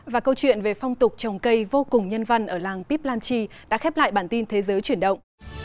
và câu chuyện về phong tục trồng cây vô cùng nhân văn ở làng pip lanchi đã khép lại bản tin thế giới chuyển động